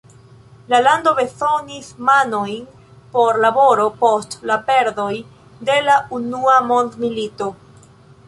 La lando bezonis manojn por laboro post la perdoj de la Unua Mondmilito.